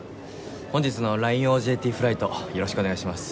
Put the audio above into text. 本日のラインＯＪＴフライトよろしくお願いします。